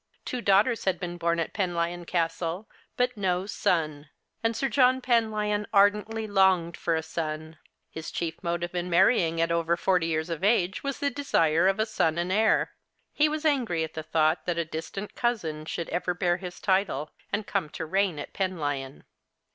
Two daughters had been born at Penlyon Castle, but no son. And 8ir John Penlyon ardently longed for a son. His chief motive in marrying at over forty years of age was the desire of a son and heir. He was angry at the thought that a distant cousin should ever bear his title, and come to reign at Penlyon.